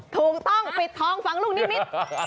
ถูกต้องปิดทองฟังลูกนิมิตร